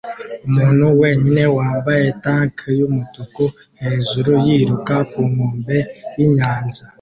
umuntu wenyine wambaye tank yumutuku hejuru yiruka ku nkombe yinyanja